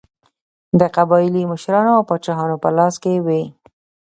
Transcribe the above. د قبایلي مشرانو او پاچاهانو په لاس کې وې.